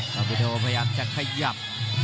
อบิโดพยายามจะขยับ